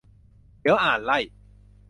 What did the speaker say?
เดี๋ยวอ่านไล่